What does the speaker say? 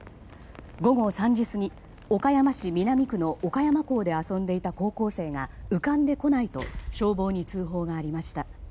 午後３時過ぎ岡山市南区の岡山港で遊んでいた高校生が浮かんでこないと消防に通報がありました。